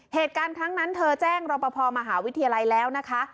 เหตุการณ์ครั้งนั้นเธอแจ้งรอปภมหาวิทยาลัยแล้วนะคะ